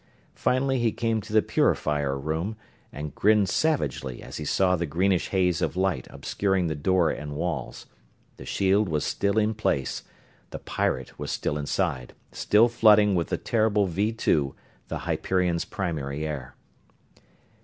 Finally he came to the purifier room, and grinned savagely as he saw the greenish haze of light obscuring the door and walls the shield was still in place; the pirate was still inside, still flooding with the terrible Vee Two the Hyperion's primary air.